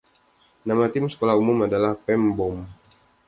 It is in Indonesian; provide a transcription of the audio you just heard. Nama tim sekolah umum adalah Pembom.